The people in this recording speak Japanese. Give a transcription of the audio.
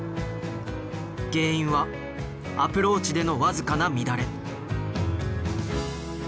原因はアプローチでの僅かな乱れ。